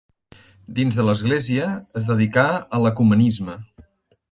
Dins de l'Església, es dedicà a l'ecumenisme.